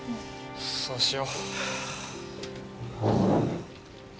そうしよう。